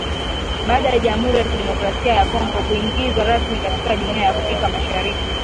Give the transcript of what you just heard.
Baada ya Jamuhuri ya Kidemokrasia ya Kongo kuingizwa rasmi katika Jumuiya ya Afrika Mashariki